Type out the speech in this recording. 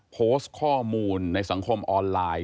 โพสต์ข้อมูลในสังคมออนไลน์